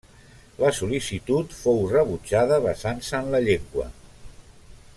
La sol·licitud fou rebutjada basant-se en la llengua.